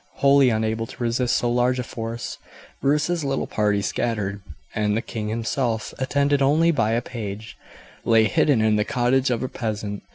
Wholly unable to resist so large a force, Bruce's little party scattered, and the king himself, attended only by a page, lay hidden in the cottage of a peasant.